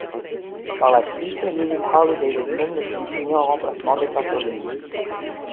Par la suite, l'usine Harley Davidson le fit signer en remplacement de Pasolini.